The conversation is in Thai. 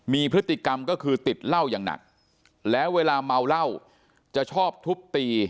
มีพฤติกรรมก็คือติดเหล้าอย่างหนักแล้วเวลาเมาเหล้าจะชอบทุบตี